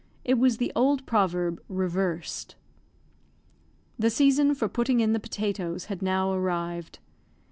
It was the old proverb reversed. The season for putting in the potatoes had now arrived.